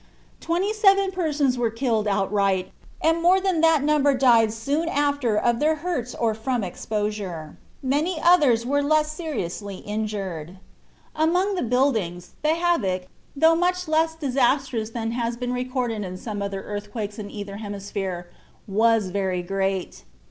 Twenty seven persons were killed outright, and more than that number died soon after of their hurts or from exposure; many others were less seriously injured. Among the buildings, the havoc, though much less disastrous than has been recorded in some other earthquakes in either hemisphere, was very great.